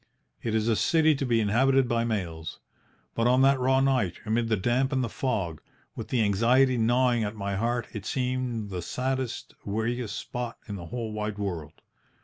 It is a city to be inhabited by males. But on that raw night, amid the damp and the fog, with the anxiety gnawing at my heart, it seemed the saddest, weariest spot in the whole wide world.